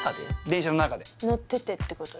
電車の中で乗っててってこと？